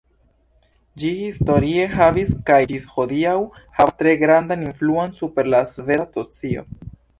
Ĝi historie havis kaj ĝis hodiaŭ havas tre grandan influon super la sveda socio.